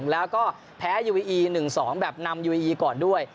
แล้วก็แพ้ยูวีอี๑๒แบบนำยูอีก่อนด้วย